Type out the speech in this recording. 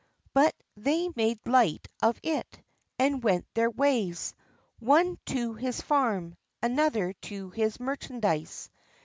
But they made light of it, and went their ways, one to his farm, another to his merchandise.